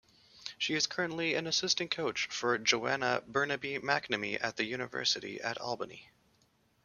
She is currently an assistant coach for Joanna Bernabei-MacNamee at the University at Albany.